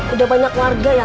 udah banyak warga yang